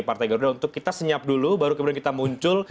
partai garuda untuk kita senyap dulu baru kemudian kita muncul